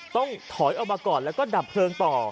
ต้องถอยออกมาก่อนแล้วก็ดับเพลิงต่อ